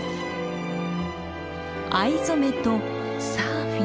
藍染めとサーフィン。